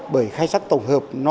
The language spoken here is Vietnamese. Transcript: bởi khai thác tổng hợp